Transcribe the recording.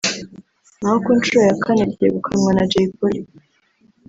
naho ku nshuro ya kane ryegukanwa na Jay Polly